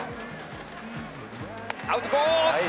アウトコース。